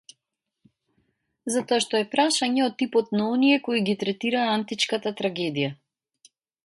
Затоа што е прашање од типот на оние кои ги третира античката трагедија.